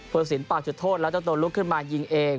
ผู้สินเปล่าจุดโทษแล้วจะโดนลุกขึ้นมายิงเอง